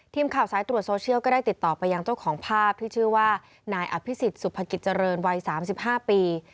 ทีมข่าวสายตรวจโซเชียลก็ได้ติดต่อไปยังเจ้าของภาพที่ชื่อว่านายอภิษฎสุภกิจเจริญวัย๓๕ปี